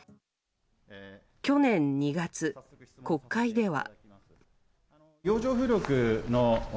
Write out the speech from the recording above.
去年２月、国会では。